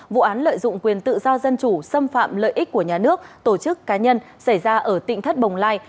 vụ án lợi dụng quyền tự do dân chủ xâm phạm lợi ích của nhà nước tổ chức cá nhân xảy ra ở tỉnh thất bồng lai